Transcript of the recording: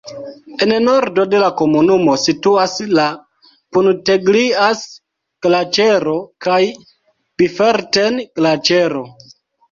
En nordo de la komunumo situas la Punteglias-Glaĉero kaj Biferten-Glaĉero.